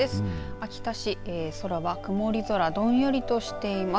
秋田市、空は曇り空どんよりとしています。